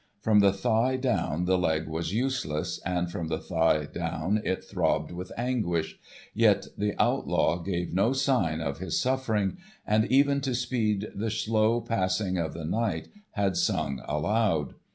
From the thigh down the leg was useless, and from the thigh down it throbbed with anguish, yet the Outlaw gave no sign of his sufferings, and even to speed the slow passing of the night had sung aloud.